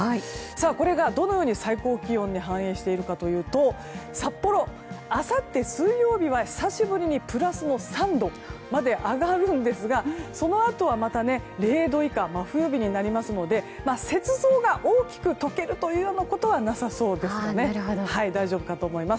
これがどのように最高気温に反映していくのかというと札幌、あさって水曜日は久しぶりにプラスの３度まで上がるんですがそのあとはまた０度以下の真冬日になりますので雪像が大きく解けるということはなさそうですので大丈夫かと思います。